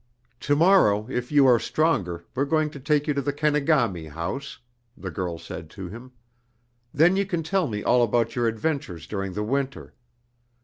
"To morrow, if you are stronger, we're going to take you on to Kenegami House," the girl said to him. "Then you can tell me all about your adventures during the winter.